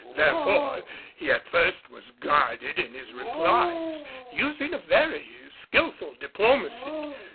Therefore, he at first was guarded in his replies, using a very skilful diplomacy.